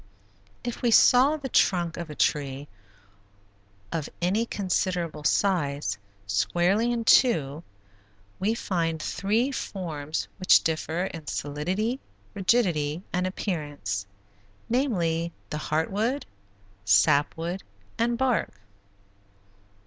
If we saw the trunk of a tree, of any considerable size, squarely in two, we find three forms which differ in solidity, rigidity, and appearance; namely, the heart wood, sap wood, and bark.